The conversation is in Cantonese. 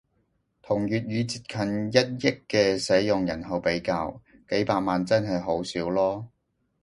同粵語接近一億嘅使用人口比較，幾百萬真係好少囉